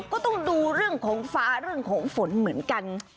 ก็ต้องดูเรื่องของฟ้าเรื่องของฝนเหมือนกัน